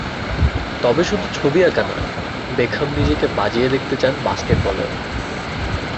তবে শুধু ছবি আঁকা নয়, বেকহাম নিজেকে বাজিয়ে দেখতে চান বাস্কেটবলেও।